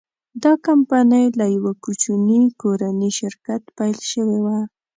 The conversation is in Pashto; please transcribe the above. دا کمپنۍ له یوه کوچني کورني شرکت پیل شوې وه.